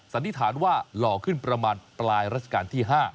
สันนิษฐานว่าหล่อขึ้นประมาณปลายรัชกาลที่๕